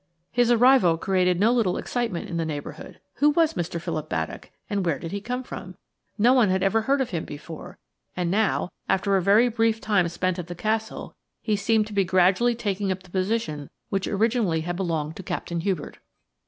His arrival created no little excitement in the neighbourhood. Who was Mr. Philip Baddock, and where did he come from? No one had ever heard of him before, and now–after a very brief time spent at the Castle–he seemed to be gradually taking up the position which originally had belonged to Captain Hubert.